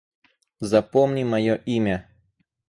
Запомни моё имя